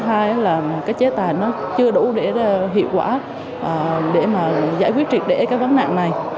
thứ hai là cái chế tài nó chưa đủ để hiệu quả để mà giải quyết triệt để cái vấn nạn này